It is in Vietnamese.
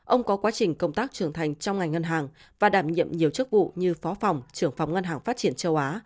ông có quá trình công tác trưởng thành trong ngành ngân hàng và đảm nhiệm nhiều chức vụ như phó phòng trưởng phòng ngân hàng phát triển châu á